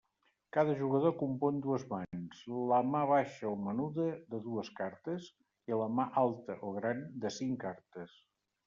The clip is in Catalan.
Cada jugador compon dues mans: la mà baixa o menuda de dues cartes, i la «mà» alta o gran de cinc cartes.